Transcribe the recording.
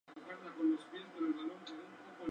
Su ministro es Bruce Crawford.